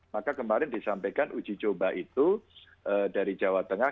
maka kemarin disampaikan uji coba itu dari jawa tengah